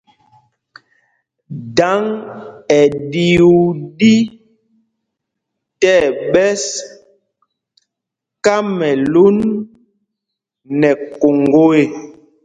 Dǎŋ í ɗyuu ɗí tí ɛɓɛs Kamɛlún nɛ Koŋgo ê.